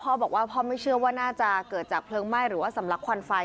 พ่อบอกว่าพ่อไม่เชื่อว่าน่าจะเกิดจากเพลิงไหม้หรือว่าสำลักควันไฟ